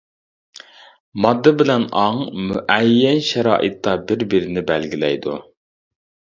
ماددا بىلەن ئاڭ مۇئەييەن شارائىتتا بىر-بىرىنى بەلگىلەيدۇ.